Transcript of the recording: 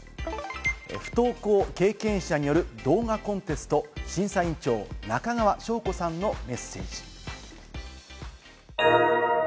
不登校経験者による動画コンテスト、審査委員長・中川翔子さんのメッセージ。